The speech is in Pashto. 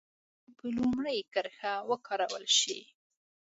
کېدای شي چې د جګړې په لومړۍ کرښه وکارول شي.